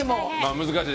難しい。